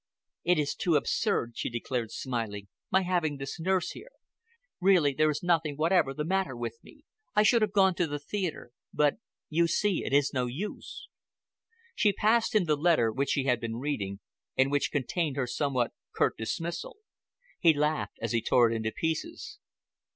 "It is too absurd," she declared, smiling, "my having this nurse here. Really, there is nothing whatever the matter with me. I should have gone to the theatre, but you see it is no use." She passed him the letter which she had been reading, and which contained her somewhat curt dismissal. He laughed as he tore it into pieces.